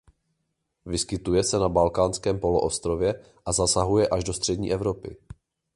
Vyskytuje se na Balkánském poloostrově a zasahuje až do střední Evropy.